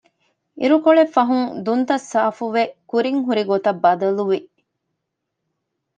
އިރުކޮޅެއްފަހުން ދުންތައް ސާފުވެ ކުރިން ހުރި ގޮތަށް ބަދަލުވި